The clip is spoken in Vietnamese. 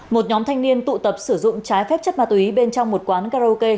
một nhóm thanh niên tụ tập sử dụng trái phép chất ma túy bên trong một quán karaoke